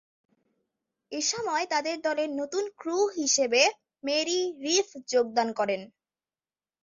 এসময় তাদের দলে নতুন ক্রু হিসেবে মেরি রিড যোগদান করেন।